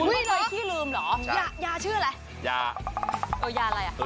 คุณกินไหนที่ลืมเหรอยาชื่ออะไร